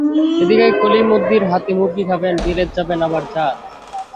এ দিকে কলিমদ্দির হাতে মুর্গি খাবেন, বিলেত যাবেন, আবার জাত!